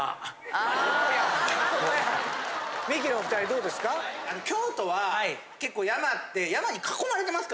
ミキのお２人どうですか？